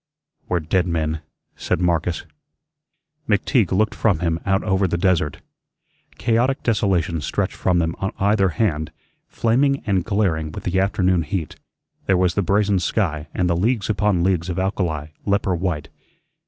"We're dead men," said Marcus. McTeague looked from him out over the desert. Chaotic desolation stretched from them on either hand, flaming and glaring with the afternoon heat. There was the brazen sky and the leagues upon leagues of alkali, leper white.